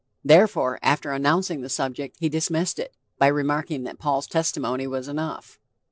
Therefore, after announcing the subject, he dismissed it, by remarking that Paul's testimony was enough.